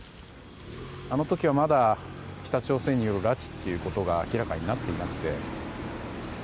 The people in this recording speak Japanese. あの時はまだ北朝鮮による拉致ということが明らかになっていなくて。